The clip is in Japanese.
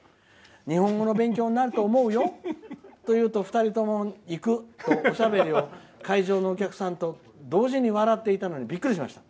日本語の勉強になると思うよと言うと２人とも行くとおしゃべりを会場のお客さんと同時に笑っていたのでびっくりしました。